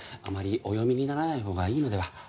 あまりお読みにならないほうがいいのでは？